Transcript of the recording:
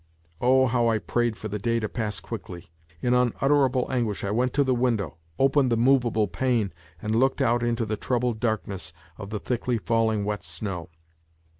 Oh, how I prayed for the day to pass quickly ! In unutterable anguish 1 went to the window, opened the movable pane and looked out into the troubled darkness of the thickly falling wel SHOW.